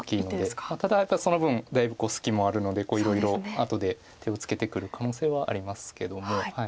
ただやっぱりその分だいぶ隙もあるのでいろいろ後で手をつけてくる可能性はありますけども。